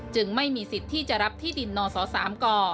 ไม่มีสิทธิ์ที่จะรับที่ดินนศ๓ก